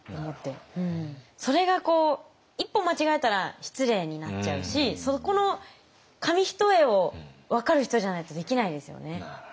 それが一歩間違えたら失礼になっちゃうしそこの紙一重を分かる人じゃないとできないですよね。